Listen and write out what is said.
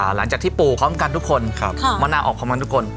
หลังจากที่ปู่พร้อมกันทุกคนมะนาวออกพร้อมกันทุกคน